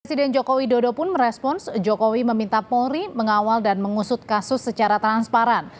presiden jokowi dodo pun merespons jokowi meminta polri mengawal dan mengusut kasus secara transparan